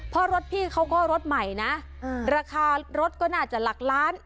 เพราะรถพี่เขาก็รถใหม่นะราคารถก็น่าจะหลักล้าน